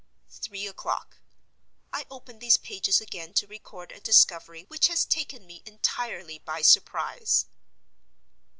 Three o'clock.—I open these pages again to record a discovery which has taken me entirely by surprise.